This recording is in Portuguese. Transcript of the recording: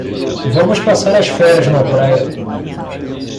Vamos passar as férias na praia